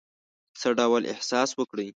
څه ډول احساس وکړی.